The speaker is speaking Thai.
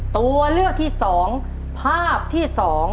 ตัวเลือกที่๒ภาพที่๒